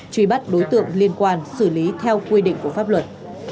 truy bắt đối tượng liên quan xử lý theo quy định của pháp luật